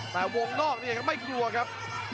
แต่วงนอกเนี่ยครับไม่กลัวครับ